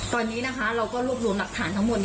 ตอนนี้นะคะเราก็รวบรวมหลักฐานทั้งหมด